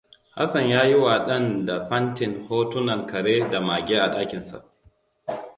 Hassan ya yi wa ɗanda fantin hotunan kare da mage a ɗakinsa.